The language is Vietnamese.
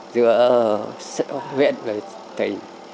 giữa huyện và tỉnh